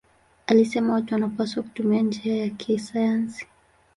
Alisema watu wanapaswa kutumia njia ya kisayansi.